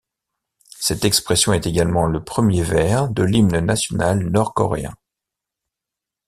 Cette expression est également le premier vers de l'hymne national nord-coréen.